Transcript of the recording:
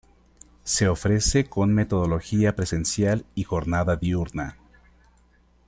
Se ofrece con metodología presencial y jornada diurna.